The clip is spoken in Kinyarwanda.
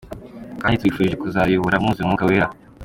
kdi tubifurije kuzatuyobora mwuzuye umwuka wera.